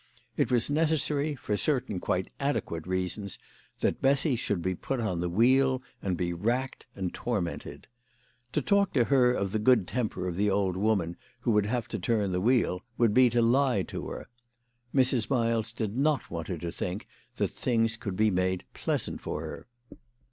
It was necessary, for certain quite adequate reasons, that Bessy should be put on the wheel, and be racked and tormented. To talk to her of the good temper of the old woman who would have to turn the wheel would be to lie to hem Mrs. Miles did not want her to think that things could be made pleasant for her.